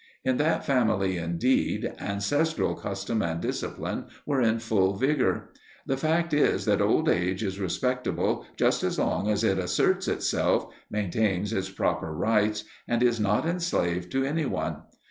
In that family, indeed, ancestral custom and discipline were in full vigour. The fact is that old age is respectable just as long as it asserts itself, maintains its proper rights, and is not enslaved to any one.